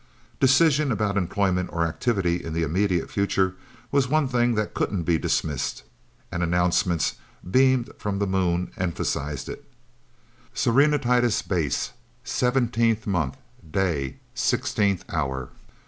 Decision about employment or activity in the immediate future, was one thing that couldn't be dismissed. And announcements, beamed from the Moon, emphasized it: "Serenitatis Base, seventeenth month day, sixteenth hour.